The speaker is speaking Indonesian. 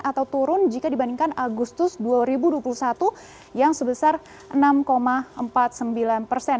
atau turun jika dibandingkan agustus dua ribu dua puluh satu yang sebesar enam empat puluh sembilan persen